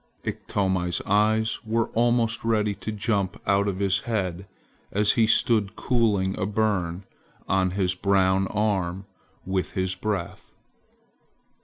Iktomi's eyes were almost ready to jump out of his head as he stood cooling a burn on his brown arm with his breath.